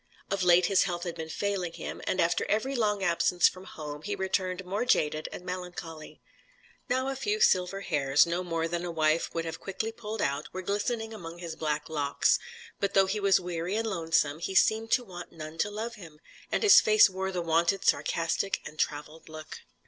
Of late his health had been failing him, and after every long absence from home, he returned more jaded and melancholy. Now a few silver hairs no more than a wife would have quickly pulled out were glistening among his black locks; but though he was weary and lonesome, he seemed to want none to love him, and his face wore the wonted sarcastic and travelled look.